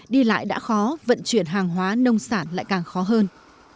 đi lại đã khó vận chuyển hàng hóa nông sản lại càng khó hơn